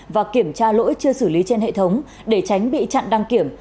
và kiểm tra lỗi chưa xử lý trên hệ thống để tránh bị chặn đăng kiểm